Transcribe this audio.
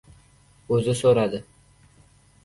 — O‘zi so‘radi.